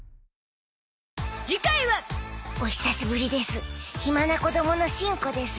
お久しぶりです。